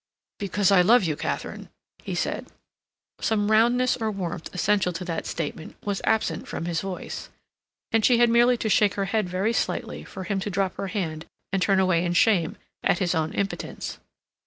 "Because I love you, Katharine," he said. Some roundness or warmth essential to that statement was absent from his voice, and she had merely to shake her head very slightly for him to drop her hand and turn away in shame at his own impotence.